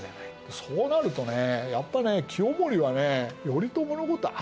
そうなるとねやっぱね清盛はね頼朝のこと甘く見てたのかもね。